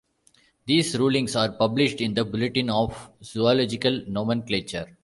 These rulings are published in the Bulletin of Zoological Nomenclature.